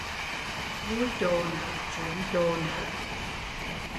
Vui chộ nớ, sướng chộ nớ